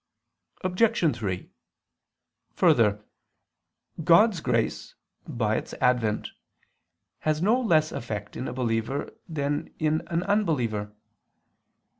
Obj. 3: Further, God's grace, by its advent, has no less effect in a believer than in an unbeliever.